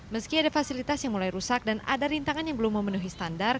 meski ada fasilitas yang mulai rusak dan ada rintangan yang belum memenuhi standar